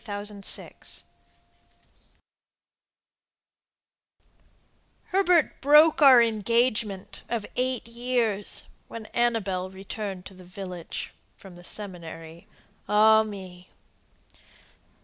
Louise Smith Herbert broke our engagement of eight years When Annabelle returned to the village From the Seminary, ah me!